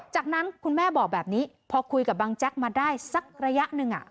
จากนั้นคุณแม่บอกแบบนี้พอคุยกับบังแจ๊กมาได้สักระยะหนึ่ง